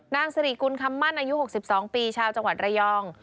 นางสิริกุลคำมั่นอายุ๖๒ปีชาวจังหวัดระยอง